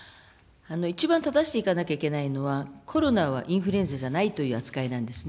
一番正していかなきゃいけないのは、コロナはインフルエンザじゃないという扱いなんですね。